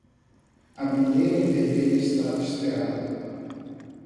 A bandeira vermelha está hasteada